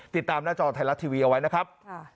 ติดตามหน้าจอไทยรัฐทีวีเอาไว้นะครับ